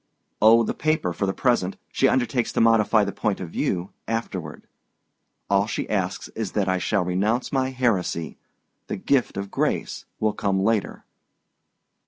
"Oh, the paper for the present. She undertakes to modify the point of view afterward. All she asks is that I shall renounce my heresy: the gift of grace will come later."